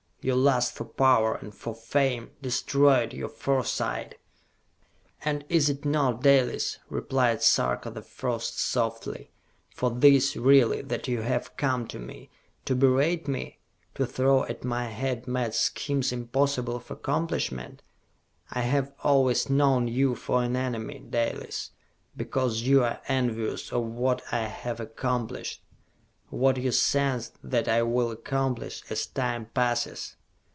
Your lust for power, and for fame, destroyed your foresight!" "And is it not, Dalis," replied Sarka the First, softly, "for this, really, that you have come to me? To berate me? To throw at my head mad schemes impossible of accomplishment? I have always known you for an enemy, Dalis, because you are envious of what I have accomplished, what you sense that I will accomplish as time passes!"